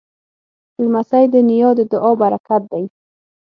لمسی د نیا د دعا پرکت دی.